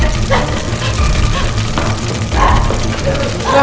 oke kita akan menang